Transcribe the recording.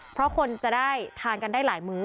เพราะคนจะได้ทานกันได้หลายมื้อ